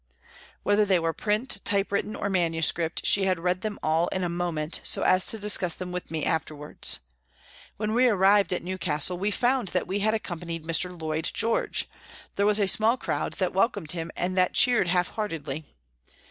Whether they were print, typewritten, or manuscript, she had read them all in a moment, so as to discuss them with me afterwards. When we arrived at Newcastle we found that we had accompanied Mr. Lloyd George ; there was a small crowd that welcomed him and that cheered half heartedly.